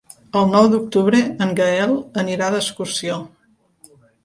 El nou d'octubre en Gaël anirà d'excursió.